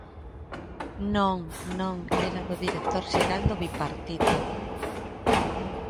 Non, non, era do director xeral do Bipartito.